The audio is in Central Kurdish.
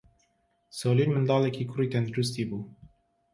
سۆلین منداڵێکی کوڕی تەندروستی بوو.